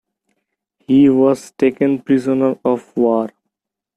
He was taken prisoner of war.